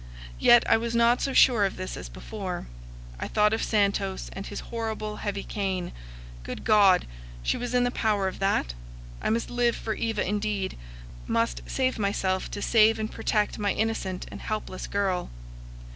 Yet I was not so sure of this as before. I thought of Santos and his horrible heavy cane. Good God! she was in the power of that! I must live for Eva indeed; must save myself to save and protect my innocent and helpless girl.